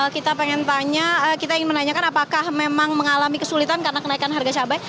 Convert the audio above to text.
kita ingin menanyakan apakah memang mengalami kesulitan karena kenaikan harga cabai